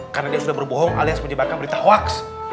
karena dia sudah berbohong alias menyebabkan berita hwax